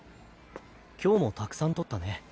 今日もたくさん取ったね。